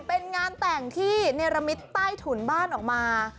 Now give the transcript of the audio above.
เป็นงานแต่งที่เนรมิตใต้ถุนบ้านออกมา